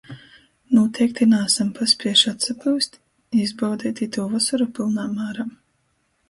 Nūteikti naasam paspiejuši atsapyust i izbaudeit itū vosoru pylnā mārā...